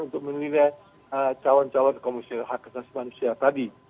untuk menilai calon calon komisioner hak asasi manusia tadi